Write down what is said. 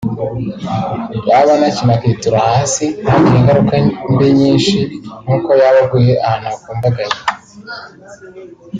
yaba anakina akitura hasi ntagire ingaruka mbi nyinshi nk’uko yaba aguye ahantu hakumbagaye"